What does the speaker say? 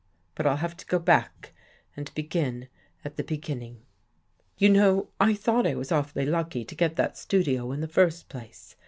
But I'll have to go back and begin at the beginning. "You know I thought I was awfully lucky to get that studio in the first place.